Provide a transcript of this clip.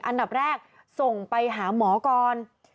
อันดับแรกส่งไปหาหมอก่อน